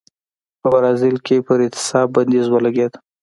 په برازیل کې پر اعتصاب بندیز ولګېد.